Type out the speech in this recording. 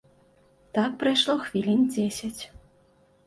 Так прайшло хвілін дзесяць.